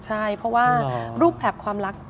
ใช่เพราะว่ารูปแบบความรัก